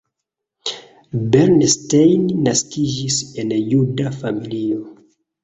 Bernstein naskiĝis en juda familio.